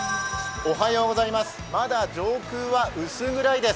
まだ上空は薄暗いです。